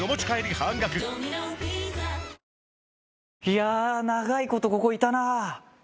いや長いことここいたな。